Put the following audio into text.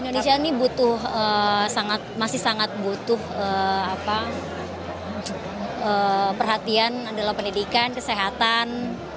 indonesia ini butuh masih sangat butuh perhatian adalah pendidikan kesehatan